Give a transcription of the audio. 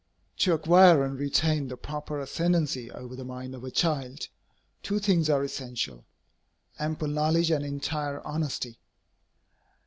To acquire and retain the proper ascendancy over the mind of a child, two things are essential, ample knowledge and entire honesty.